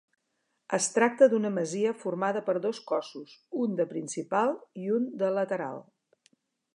Es tracta d'una masia formada per dos cossos, un de principal i un de lateral.